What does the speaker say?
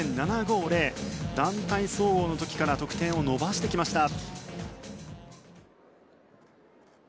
団体総合の時から得点を伸ばしてきました。